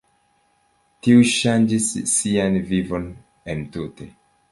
Tiu ŝanĝis sian vivon entute.